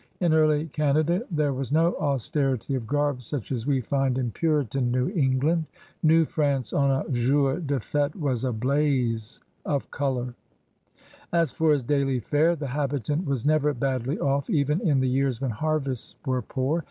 Li early Canada there was no austerity of garb such as we find in Puritan New England. New Prance on a jour de fSte was a blaze of color. As for his daily fare, the habitant was never badly off even in the years when harvests were poor.